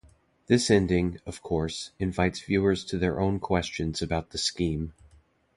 This ending, of course, invites viewers to their own questions about the scheme.